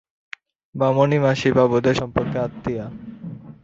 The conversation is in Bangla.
বামনী মাসি বাবুদের সম্পর্কে আত্মীয়া।